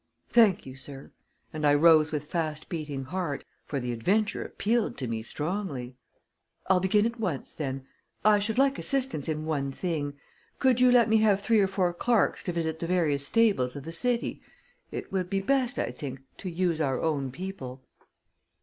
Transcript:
"Thank you, sir," and I rose with fast beating heart, for the adventure appealed to me strongly. "I'll begin at once then. I should like assistance in one thing. Could you let me have three or four clerks to visit the various stables of the city? It would be best, I think, to use our own people."